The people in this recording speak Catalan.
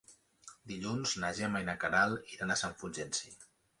Dilluns na Gemma i na Queralt iran a Sant Fulgenci.